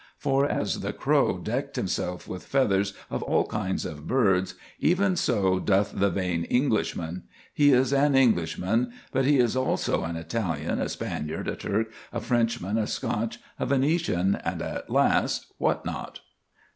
For as the crow decked himself with feathers of all kinds of birds, even so doth the vain Englishman.... He is an Englishman; but he is also an Italian, a Spaniard, a Turk, a Frenchman, a Scotch, a Venetian, and at last what not?"